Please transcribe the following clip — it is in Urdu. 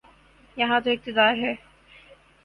یہاں تو اقتدار ہے۔